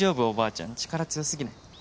おばあちゃん力強すぎない？